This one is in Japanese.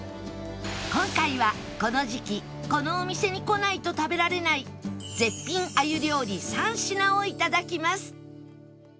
今回はこの時期このお店に来ないと食べられない絶品鮎料理３品を頂きます